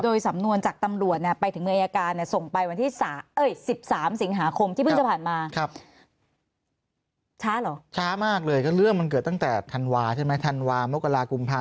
โดยสำนวนจากตำรวจไปที่อายการ